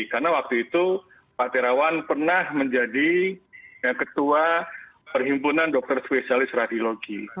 karena waktu itu pak terawan pernah menjadi yang ketua perhimpunan dokter spesialis radiologi